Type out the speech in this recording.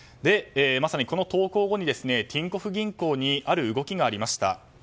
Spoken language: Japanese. まさにこの投稿後にティンコフ銀行にある動きがありました。